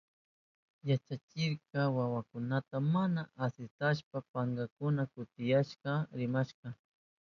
Yachachikka wawakunata mana asirtashpankuna kutikashka rimarka.